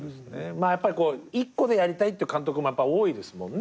やっぱり１個でやりたいっていう監督も多いですもんね。